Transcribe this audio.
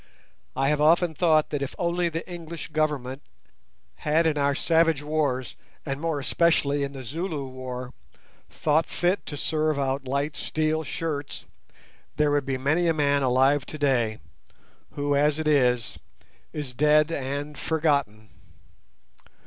I have often thought that if only the English Government had in our savage wars, and more especially in the Zulu war, thought fit to serve out light steel shirts, there would be many a man alive today who, as it is, is dead and forgotten.